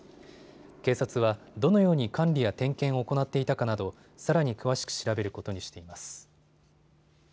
警察はどのように管理や点検を行っていたかなどさらに詳しく調べることにしています。